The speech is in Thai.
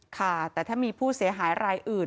ค่ะแต่ถ้ามีผู้เสียหายรายอื่น